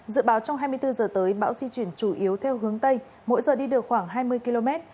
dự báo trong hai mươi bốn h tới bão di chuyển chủ yếu theo hướng tây mỗi giờ đi được khoảng hai mươi km